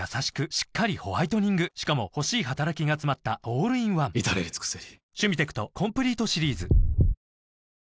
しっかりホワイトニングしかも欲しい働きがつまったオールインワン至れり尽せり